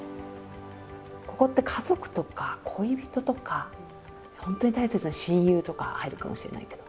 ここって家族とか恋人とか本当に大切な親友とか入るかもしれないけど。